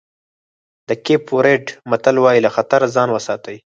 د کېپ ورېډ متل وایي له خطره ځان وساتئ.